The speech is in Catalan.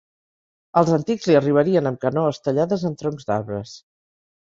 Els antics li arribarien amb canoes tallades en troncs d'arbres.